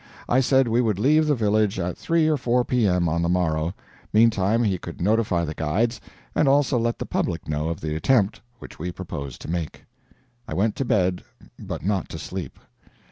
I said we would leave the village at 3 or 4 P.M. on the morrow; meantime he could notify the guides, and also let the public know of the attempt which we proposed to make. I went to bed, but not to sleep.